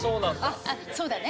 あっそうだね。